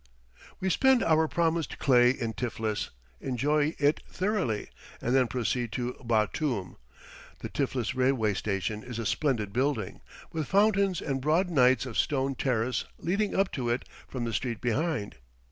We spend our promised clay in Tiflis, enjoy it thoroughly, and then proceed to Batoum. The Tiflis railway station is a splendid building, with fountains and broad nights of stone terrace leading up to it from the street behind.